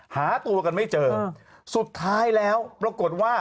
หาตัวกันไม่เจอสุดท้ายแล้วปรากฏว่า